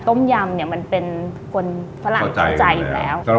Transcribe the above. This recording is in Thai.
ต้มยำมันเป็นคนฝรั่งเข้าใจอีกแล้ว